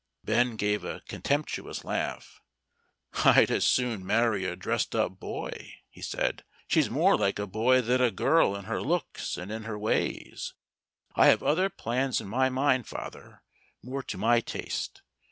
Ben gave a contemptuous laugh. "I'd as soon marry a dressed up boy," he said. "She's more like a boy than a girl in her looks and in her ways. I have other plans in my mind, father, more to my taste.